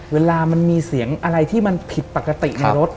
เวลามันมีเสียงอะไรที่มันผิดปกติในรถ